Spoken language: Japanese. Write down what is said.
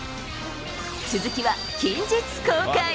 続きは近日公開。